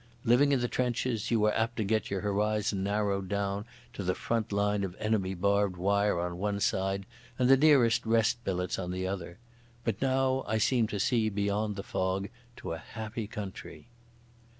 Living in the trenches, you are apt to get your horizon narrowed down to the front line of enemy barbed wire on one side and the nearest rest billets on the other. But now I seemed to see beyond the fog to a happy country.